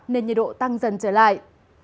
nên nhiệt độ tăng dần trở lại